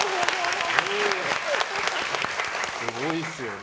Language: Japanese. すごいですよね。